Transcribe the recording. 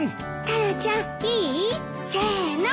タラちゃんいい？せの。